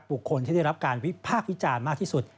บุคคลที่ได้รับการวิพากษ์วิจารณ์มากที่สุด